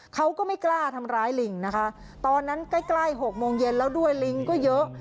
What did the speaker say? เขาก็ไม่กล้าทำร้ายลิงนะคะตอนนั้นใกล้ใกล้หกโมงเย็นแล้วด้วยลิงก็เยอะ